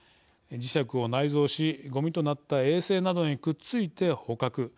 磁石を内蔵しごみとなった衛星などにくっついて捕獲。